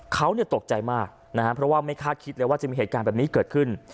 เขาตกใจมากไม่คาดคิดอยู่ว่าจะมีเหตุการณ์แบบนี้เกิดขึ้น